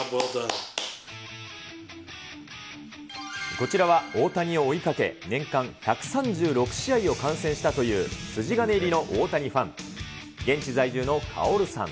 こちらは、大谷を追いかけ、年間１３６試合を感染したという筋金入りの大谷ファン。